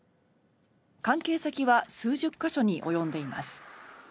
関係先は数十か所に及んでいます。